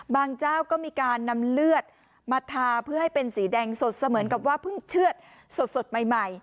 เจ้าก็มีการนำเลือดมาทาเพื่อให้เป็นสีแดงสดเสมือนกับว่าเพิ่งเชื่อดสดใหม่